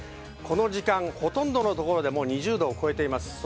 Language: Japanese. この時間ほとんどのところで２０度を超えています。